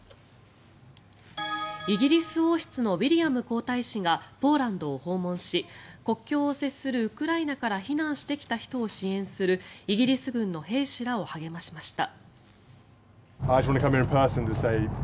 イギリス王室のウィリアム皇太子がポーランドを訪問し国境を接するウクライナから避難してきた人を支援するイギリス軍の兵士らを励ましました。